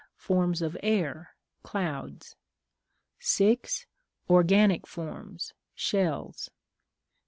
Forms of Air (Clouds). 6. (Organic forms.) Shells.